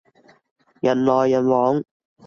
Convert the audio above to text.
人來人往